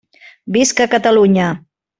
Visca Catalunya!